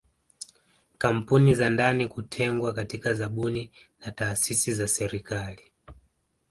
Kampuni za ndani kutengwa katika zabuni na taasisi za serikali